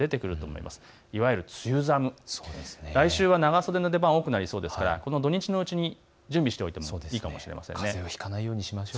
いわゆる梅雨寒、来週は長袖の出番が多くなりそうですから土日のうちに用意しておくといいですね。